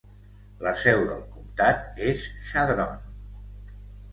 La seu del comtat és Chadron.